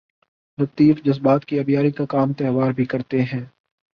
لطیف جذبات کی آبیاری کا کام تہوار بھی کرتے ہیں۔